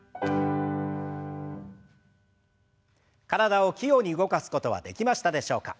体を器用に動かすことはできましたでしょうか。